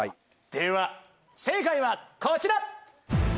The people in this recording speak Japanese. では正解はこちら！